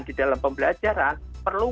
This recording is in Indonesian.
di dalam pembelajaran perlu